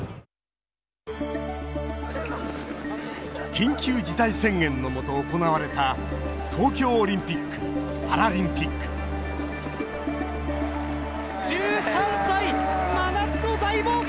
緊急事態宣言のもと行われた東京オリンピック・パラリンピック１３歳、真夏の大冒険！